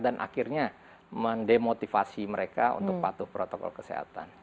dan akhirnya mendemotivasi mereka untuk patuh protokol kesehatan